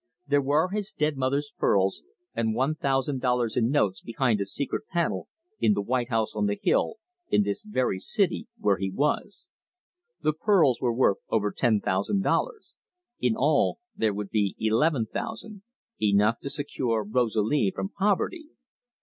There were his dead mother's pearls and one thousand dollars in notes behind a secret panel in the white house on the hill, in this very city where he was. The pearls were worth over ten thousand dollars in all, there would be eleven thousand, enough to secure Rosalie from poverty.